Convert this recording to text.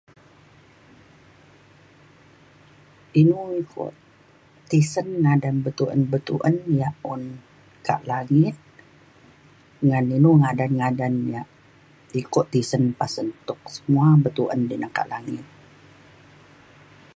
inu iko tisen ngadan betuen betuen yak un kak langit ngan inu ngadan ngadan yak iko tisen pasen tuk semua betuen di na kak langit